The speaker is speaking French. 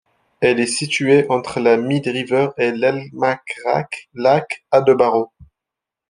Elle est située entre la Meade River et l'Lkmakrak Lake à de Barrow.